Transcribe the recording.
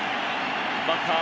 バッター